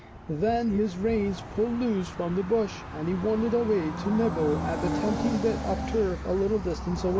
Then his reins pulled loose from the bush and he wandered away to nibble at a tempting bit of turf a little distance away.